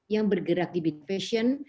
yang bergerak di bid fashion